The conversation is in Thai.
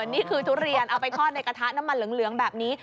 ทุเรียนเอาไปทอดในกระทะน้ำมันเหลืองแบบนี้